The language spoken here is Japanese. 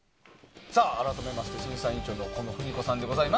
改めて、審査員長の狐野扶実子さんでございます。